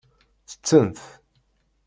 Ttettent.